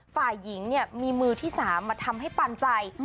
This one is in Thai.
ฝ่ายหญิงเนี่ยมีมือที่๓มาทำให้ปันใจ